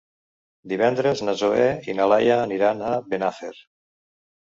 Divendres na Zoè i na Laia aniran a Benafer.